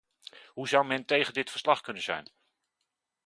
Hoe zou men tegen dit verslag kunnen zijn?